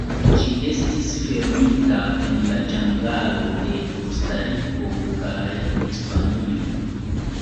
Ĝi estis filmita en la ĝangalo de Kostariko kaj Hispanio.